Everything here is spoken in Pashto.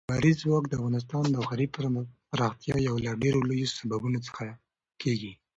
لمریز ځواک د افغانستان د ښاري پراختیا یو له ډېرو لویو سببونو څخه کېږي.